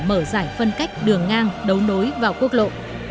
mở giải phân cách đường ngang đấu nối vào quốc lộ